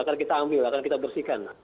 akan kita ambil akan kita bersihkan